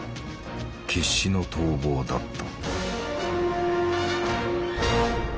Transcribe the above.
決死の逃亡だった。